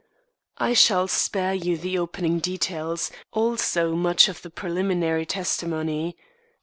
I shall spare you the opening details, also much of the preliminary testimony.